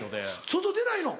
外出ないの？